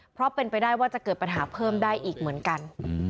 เพราะเป็นไปได้ว่าจะเกิดปัญหาเพิ่มได้อีกเหมือนกัน